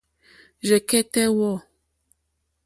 Rzɛ̀kɛ́tɛ́ wɔ̂.